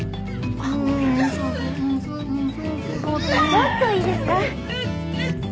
ちょっといいですか？